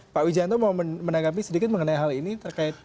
pak wijanto mau menanggapi sedikit mengenai hal ini terkait